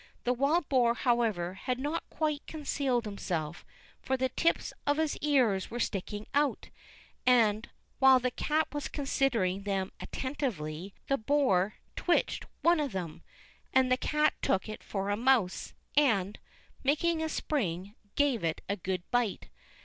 The wild boar, however, had not quite concealed himself, for the tips of his ears were sticking out; and, while the cat was considering them attentively, the boar twitched one of them, and the cat took it for a mouse, and, making a spring, gave it a good bite.